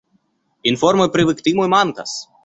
Informoj pri viktimoj mankas.